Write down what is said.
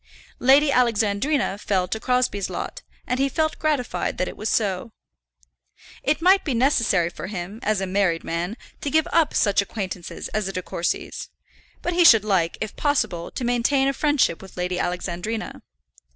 Lady Alexandrina fell to Crosbie's lot, and he felt gratified that it was so. It might be necessary for him, as a married man, to give up such acquaintances as the De Courcys, but he should like, if possible, to maintain a friendship with Lady Alexandrina.